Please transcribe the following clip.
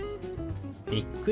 「びっくり」。